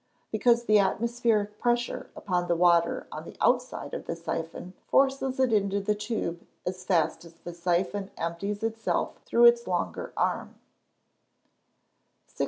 _ Because the atmospheric pressure upon the water on the outside of the syphon forces it into the tube as fast as the syphon empties itself through its longer arm. 656.